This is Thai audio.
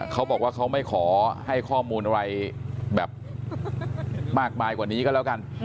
เขาบอกว่าเขาไม่ขอให้ข้อมูลอะไรแบบมากมายกว่านี้ก็แล้วกัน